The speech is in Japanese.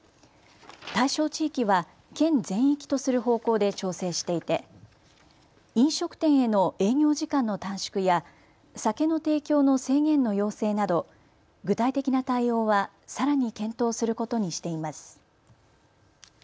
対象地域は県全域とする方向で調整していて飲食店への営業時間の短縮や酒の提供の制限の要請など具体的な対応はさらに検討することにしています。